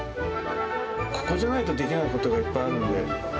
ここじゃないとできないことがいっぱいあるんで。